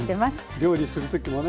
料理する時もね